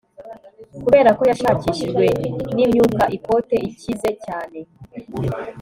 Kuberako yashakishijwe nimyuka ikote ikize cyane